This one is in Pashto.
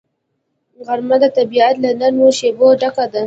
غرمه د طبیعت له نرمو شیبو ډکه ده